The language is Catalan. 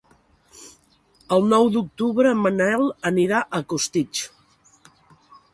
El nou d'octubre en Manel anirà a Costitx.